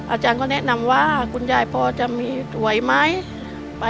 อาจารย์ก็แนะนำว่าคุณยายพอจะมีสวยไหม